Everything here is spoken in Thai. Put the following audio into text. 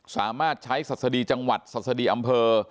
สามารถใช้สัตว์สดีจังหวัดสัตว์สดีอำเภอ